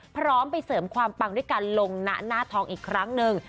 พร้อมไปเสริมความปังด้วยการลงหน้าทองอีกครั้งหนึ่ง